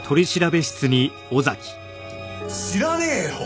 知らねえよ！